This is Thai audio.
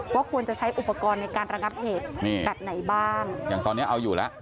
ว่าควรจะใช้อุปกรณ์ในการระงับเหตุแบบไหนบ้างอย่างตอนนี้เอาอยู่แล้ว